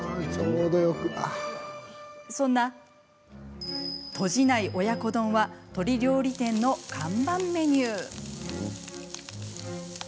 そんな、とじない親子丼は鶏料理店の看板メニュー。